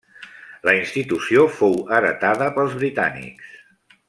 La institució fou heretada pels britànics.